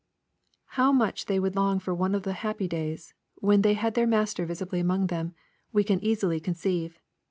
How much they would long for one of the happy days, when they had their Master visibly among them, we can easily conceive.